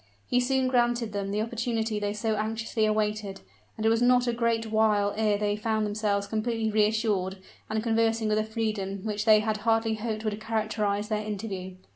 He soon granted them the opportunity they so anxiously awaited, and it was not a great while ere they found themselves completely reassured, and conversing with a freedom which they had hardly hoped would characterize their interview.